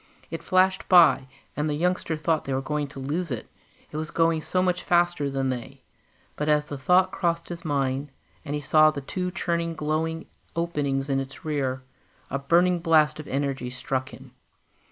It flashed by, and the youngster thought they were going to lose it it was going so much faster than they; but as the thought crossed his mind, and he saw the two churning glowing openings in its rear, a burning blast of energy struck him.